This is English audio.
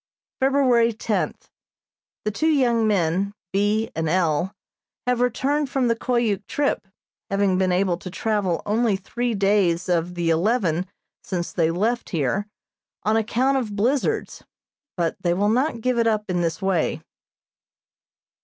February tenth: The two young men, B. and L., have returned from the Koyuk trip, having been able to travel only three days of the eleven since they left here on account of blizzards, but they will not give it up in this way.